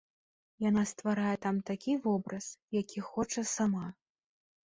Яна стварае там такі вобраз, які хоча сама.